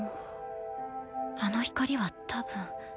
あの光は多分。